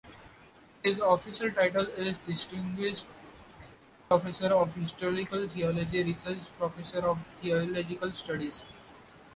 His official title is Distinguished Professor of Historical Theology, Research Professor of Theological Studies.